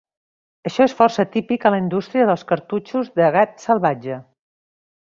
Això és força típic a la indústria dels "cartutxos de gat salvatge".